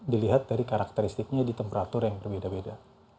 dilihat dari karakteristiknya di temperatur yang berbeda beda